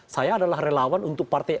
saya adalah relawan untuk partai